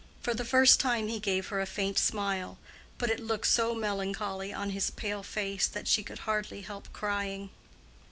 For the first time he gave her a faint smile, but it looked so melancholy on his pale face that she could hardly help crying.